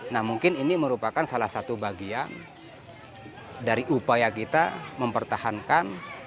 nah mungkin ini merupakan salah satu bagian dari upaya kita mempertahankan